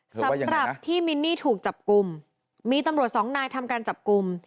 สำหรับที่มินนี่ถูกจับกลุ่มมีตำรวจสองนายทำการจับกลุ่ม